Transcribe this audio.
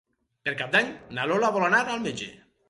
Per Cap d'Any na Lola vol anar al metge.